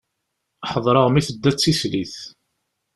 Ḥeḍreɣ mi tedda d tislit.